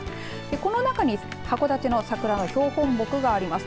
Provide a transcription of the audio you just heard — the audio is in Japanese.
この中に函館の桜の標本木があります。